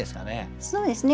そうですね